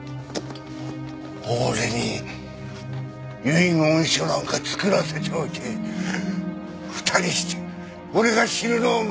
俺に遺言書なんか作らせておいて２人して俺が死ぬのを待ってたんだな！？